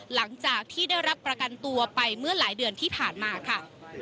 หลังจากที่ได้รับประกันตัวไปเมื่อหลายเดือนที่ผ่านมาค่ะ